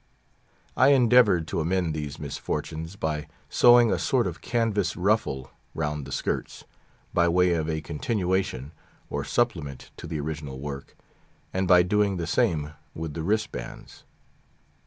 I endeavoured to amend these misfortunes by sewing a sort of canvas ruffle round the skirts, by way of a continuation or supplement to the original work, and by doing the same with the wristbands.